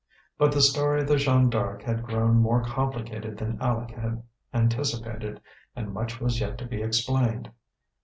But the story of the Jeanne D'Arc had grown more complicated than Aleck had anticipated, and much was yet to be explained.